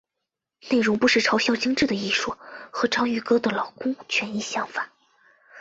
内容不时嘲笑精致艺术和章鱼哥的劳工权益想法。